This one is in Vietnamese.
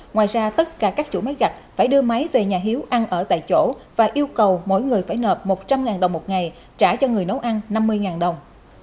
ngoài ra tất cả các chủ máy gạch phải đưa máy về nhà hiếu ăn ở tại chỗ và yêu cầu mỗi người phải nợp một trăm linh đồng một ngày trả cho người nấu ăn năm mươi đồng